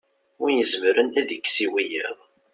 wi izemren ad ikkes i wiyaḍ